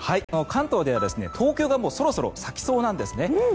関東では東京がそろそろ咲きそうなんですね。